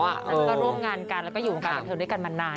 แล้วก็ร่วมงานกันแล้วอยู่ข้างตะเต็มด้วยกันมานาน